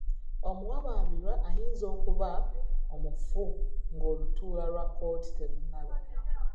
Omuwawaabirwa ayinza okuba omufu ng'olutuula lwa Kkooti terunnaba.